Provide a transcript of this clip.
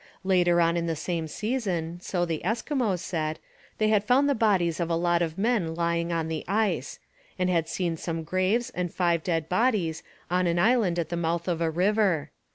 Later on in the same season, so the Eskimos said, they had found the bodies of a lot of men lying on the ice, and had seen some graves and five dead bodies on an island at the mouth of a river.